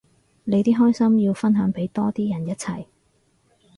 你啲開心要分享俾多啲人一齊